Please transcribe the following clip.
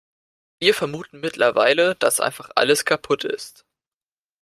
Wir vermuten mittlerweile, dass einfach alles kaputt ist.